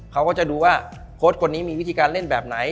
เขาก็จะดูว่าโค้ดคนนี้มีวิธีการเล่นแบบไหน